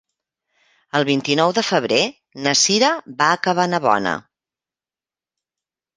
El vint-i-nou de febrer na Cira va a Cabanabona.